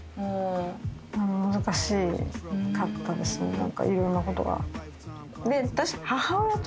何かいろんなことが。